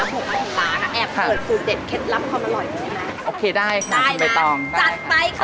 ของปลาร้านะแอบเผิดสูตรเด็ดเค็ดรับความอร่อยของปลาร้า